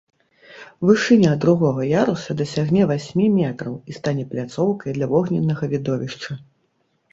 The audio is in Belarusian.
Вышыня другога яруса дасягне васьмі метраў і стане пляцоўкай для вогненнага відовішча.